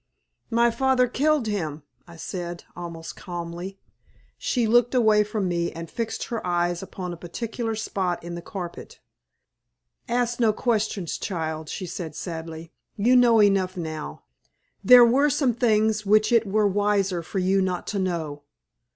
"My father killed him," I said, almost calmly. She looked away from me and fixed her eyes upon a particular spot in the carpet. "Ask no questions, child," she said, sadly. "You know enough now. There were some things which it were wiser for you not to know."